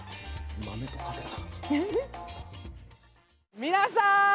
豆と掛けた。